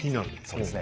そうですね。